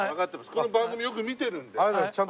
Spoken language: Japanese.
この番組よく見てるので。